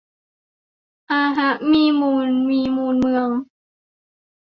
อาฮะ มีมูล มีมูลเมือง